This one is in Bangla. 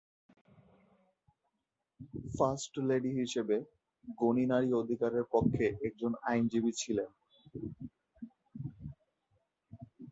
ফার্স্ট লেডি হিসাবে, গণি নারী অধিকারের পক্ষে একজন আইনজীবী ছিলেন।